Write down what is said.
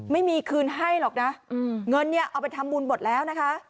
ไม่มีคืนให้หรอกนะเงินเนี่ยเอาไปทำบุญหมดแล้วนะคะ